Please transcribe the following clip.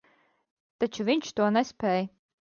Taču viņš to nespēj.